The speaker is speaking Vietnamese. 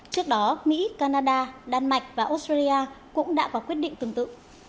trước đó mỹ canada đan mạch và australia cũng đã có quyết định tương tự